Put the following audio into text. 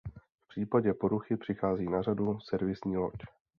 V případě poruchy přichází na řadu servisní loď.